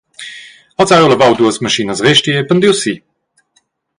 Oz hai jeu lavau duas maschinas resti e pendiu si.